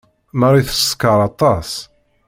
Marie teskeṛ aṭas.